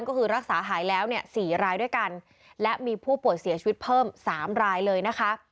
ก็คือรักษาหายแล้วเนี่ย๔รายด้วยกันและมีผู้ป่วยเสียชีวิตเพิ่มสามรายเลยนะคะ